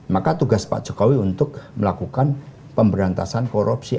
maka tugas pak jokowi untuk melakukan pemberantasan korupsi